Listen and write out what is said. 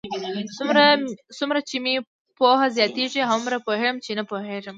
څومره چې مې پوهه زیاتېږي، هومره پوهېږم؛ چې نه پوهېږم.